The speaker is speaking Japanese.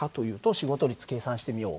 仕事率計算してみよう。